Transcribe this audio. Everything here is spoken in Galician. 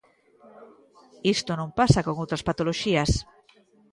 Isto non pasa con outras patoloxías.